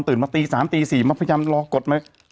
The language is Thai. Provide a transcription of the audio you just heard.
ตื่นมาตี๓ตี๔มาพยายามรอกดไหม